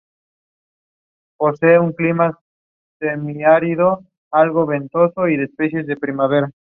Additionally she was selected as the Irish flag bearer for the opening ceremonies.